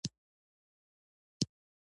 پوهنتون د کارپوهانو د روزنې ځای دی.